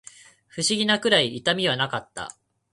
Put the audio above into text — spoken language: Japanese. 不思議なくらい痛みはなかった